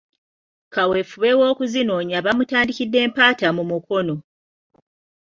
Kaweefube w'okuzinoonya bamutandikidde Mpatta mu Mukono.